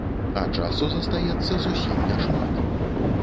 А часу застаецца зусім няшмат.